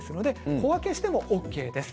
小分けしてもＯＫです。